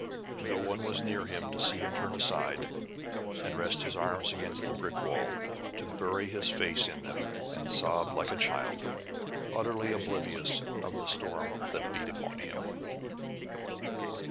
No one was near to see him turn aside, and rest his arms against the brick wall, to bury his face in them, and sob like a child, utterly oblivious of the storm that beat upon him.